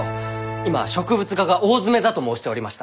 今植物画が大詰めだと申しておりました。